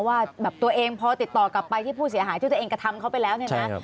ว่าแบบตัวเองพอติดต่อกลับไปที่ผู้เสียหายที่ตัวเองกระทำเขาไปแล้วเนี่ยนะ